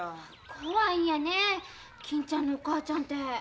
怖いんやね金ちゃんのお母ちゃんて。